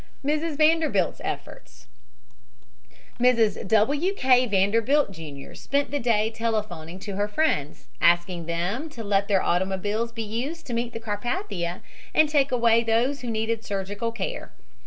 MRS. VANDERBILT'S EFFORTS Mrs. W. K. Vanderbilt, Jr., spent the day telephoning to her friends, asking them to let their automobiles be used to meet the Carpathia and take away those who needed surgical care.